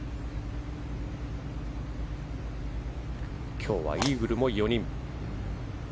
今日はイーグルも４人。